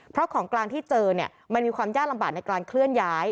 เพราะของกลางที่เจอเนี่ยมันมีความยากลำบากในการเคลื่อนย้าย